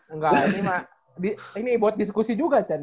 enggak ini mah ini buat diskusi juga chan